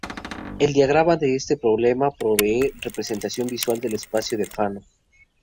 El diagrama de este problema provee una representación visual del espacio de Fano.